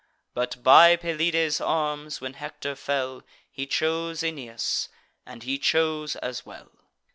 But by Pelides' arms when Hector fell, He chose Aeneas; and he chose as well.